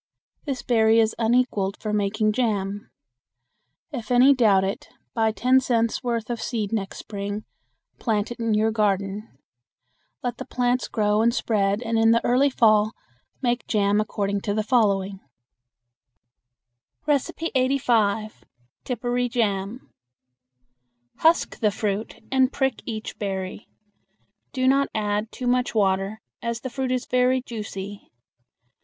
This berry is unequaled for making jam. If any doubt it, buy ten cents' worth of seed next spring, plant it in your garden. Let the plants grow and spread and in the early fall make jam according to the following: 85. Tipparee Jam. Husk the fruit and prick each berry. Do not add too much water, as the fruit is very juicy.